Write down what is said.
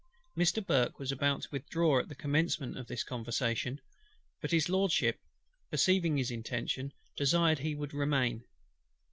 Mr. BURKE was about to withdraw at the commencement of this conversation; but HIS LORDSHIP, perceiving his intention, desired he would remain.